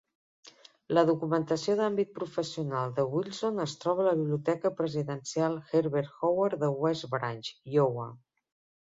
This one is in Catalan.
La documentació d'àmbit professional de Wilson es troba a la biblioteca presidencial Herbert Hoover de West Branch (Iowa).